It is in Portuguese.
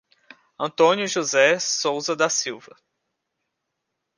Antônio José Souza da Silva